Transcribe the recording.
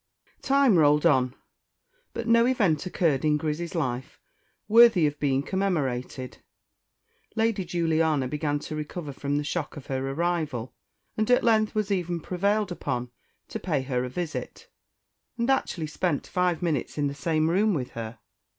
_ TIME rolled on, but no event occurred in Grizzy's life worthy of being commemorated. Lady Juliana began to recover from the shock of her arrival, and at length was even prevailed upon to pay her a visit, and actually spent five minutes in the same room with her.